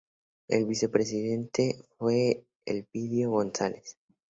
El Vicepresidente fue Elpidio González.